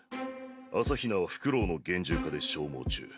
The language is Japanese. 朝日奈はフクロウの幻獣化で消耗中。